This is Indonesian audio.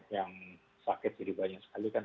yang sakit jadi banyak sekali kan